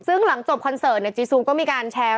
ซึ่งหลังจบคอนเสิร์ตจีซูมก็มีการแชร์